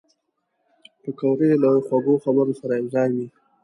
پکورې له خوږو خبرو سره یوځای وي